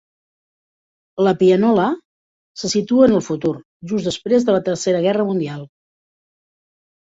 "La pianola" se situa en el futur, just després de la Tercera Guerra Mundial.